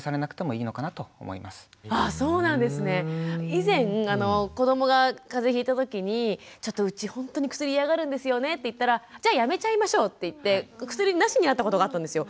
以前子どもがかぜひいた時にちょっとうちほんとに薬嫌がるんですよねって言ったらじゃあやめちゃいましょうって言って薬なしになったことがあったんですよ。